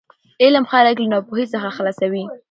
علم خلک له ناپوهي څخه خلاصوي.